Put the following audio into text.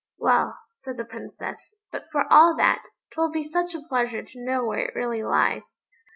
"Well," said the Princess; "but for all that, 'twould be such a pleasure to know where it really lies."